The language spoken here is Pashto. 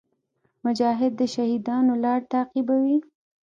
مجاهد د شهیدانو لار تعقیبوي.